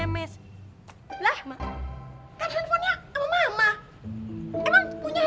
kan handphonenya sama mama